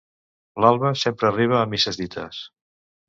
L'Alba sempre arriba a misses dites.